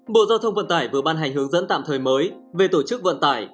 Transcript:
bộ giao thông vận tải vừa ban hành hướng dẫn tạm thời mới về tổ chức vận tải